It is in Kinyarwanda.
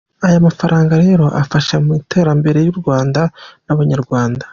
Aya mafaranga rero afasha mu iterambere ry’u Rwanda n’abanyarwanda.